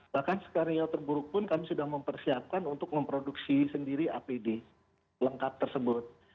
bahkan skenario terburuk pun kami sudah mempersiapkan untuk memproduksi sendiri apd lengkap tersebut